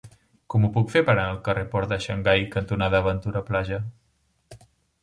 Com ho puc fer per anar al carrer Port de Xangai cantonada Ventura Plaja?